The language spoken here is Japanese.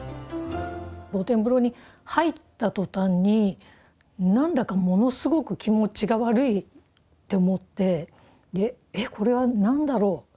露天風呂に入ったとたんに何だかものすごく気持ちが悪いって思って「えっこれは何だろう。